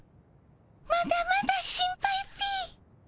まだまだ心配っピ。